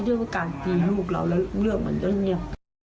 เรื่องการตีลูกเราแล้วเรื่องมันก็เงียบ